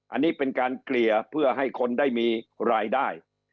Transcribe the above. อันนี้เป็นการเกลี่ยเพื่อให้คนได้มีรายได้